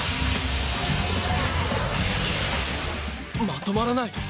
まとまらない！